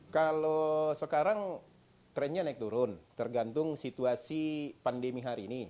kalau sekarang trennya naik turun tergantung situasi pandemi hari ini